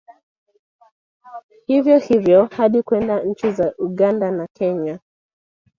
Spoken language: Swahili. Hivyo hivyo hadi kwenda nchi za Uganda na Kenya